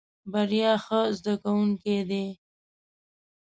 بريا ښه زده کوونکی دی.